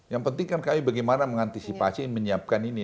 yang penting kan kami bagaimana mengantisipasi menyiapkan ini